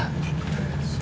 terima kasih pak